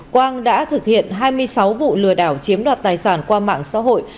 quang đã thực hiện hai mươi sáu vụ lừa đảo chiếm đoạt tài sản qua mạng xã hội